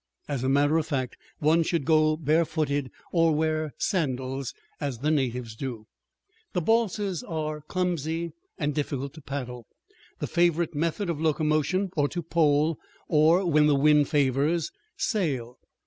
As a matter of fact one should go barefooted, or wear sandals, as the natives do. The balsas are clumsy, and difficult to paddle. The favorite method of locomotion is to pole or, when the wind favors, sail.